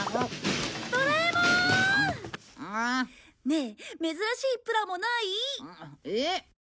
ねえ珍しいプラモない？え？